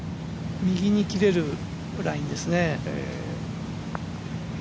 右に切れるラインですね。